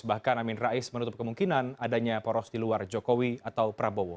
bahkan amin rais menutup kemungkinan adanya poros di luar jokowi atau prabowo